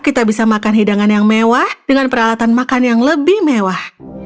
kita bisa makan hidangan yang mewah dengan peralatan makan yang lebih mewah